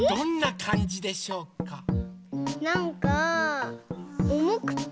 なんかおもくて。